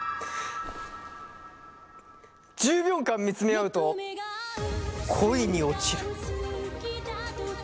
１０秒間見つめ合うと恋に落ちる！